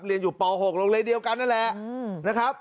เรียนอยู่ป๖โรงเรียนเดียวกันนั่นแหละนะครับ